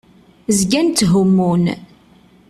Zgan tthumun.